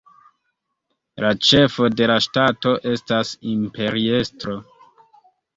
La ĉefo de la ŝtato estas imperiestro.